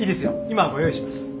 今ご用意します。